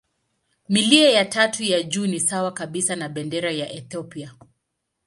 Milia ya tatu ya juu ni sawa kabisa na bendera ya Ethiopia.